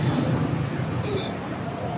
dài bao tiền đúng không